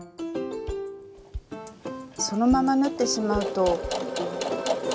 そのまま縫ってしまうと。